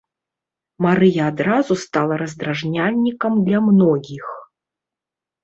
Марыя адразу стала раздражняльнікам для многіх.